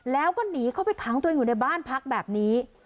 แล้วก็หนีเข้าไปขังตัวเองอยู่ในบ้านพักแบบนี้